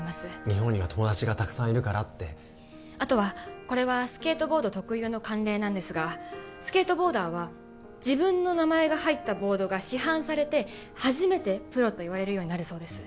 日本には友達がたくさんいるからってあとはこれはスケートボード特有の慣例なんですがスケートボーダーは自分の名前が入ったボードが市販されて初めてプロといわれるようになるそうです